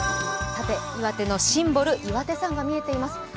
岩手のシンボル、岩手山が見えています。